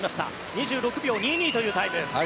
２６秒２２というタイム。